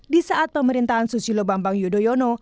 di saat pemerintahan susilo bambang yudhoyono